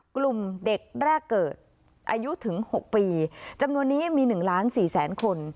กลุ่มเด็กแรกเกิดอายุถึง๖ปีจำนวนนี้มี๑ล้าน๔แสนคน